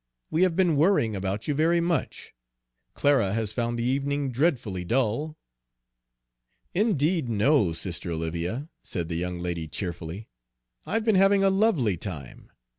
We have been worrying about you very much. Clara has found the evening dreadfully dull." "Indeed, no, sister Olivia," said the young lady cheerfully, "I've been having a lovely time.